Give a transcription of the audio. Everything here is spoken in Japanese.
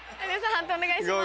判定お願いします。